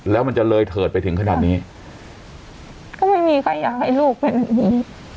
แล้วมันจะเลยเถิดไปถึงขนาดนี้ก็ไม่มีใครอยากให้ลูกเป็นแบบนี้